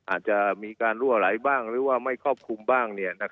อาจจะมีการรั่วไหลบ้างหรือว่าไม่ครอบคลุมบ้าง